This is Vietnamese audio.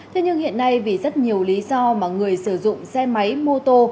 thế nhưng hiện nay vì rất nhiều lý do mà người sử dụng xe máy mô tô